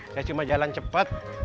saya cuma jalan cepet